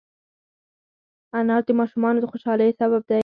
انار د ماشومانو د خوشحالۍ سبب دی.